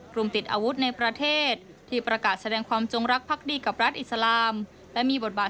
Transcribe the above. ติดอาวุธในประเทศที่ประกาศแสดงความจงรักพักดีกับรัฐอิสลามและมีบทบาท